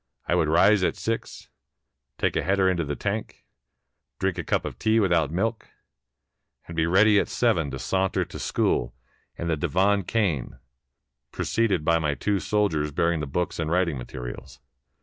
I would rise at six, take a header into the tank, drink a cup of tea without milk, and be ready at seven to saunter to school in the Divan Khane, preceded by my two soldiers bearing the books and writing materials.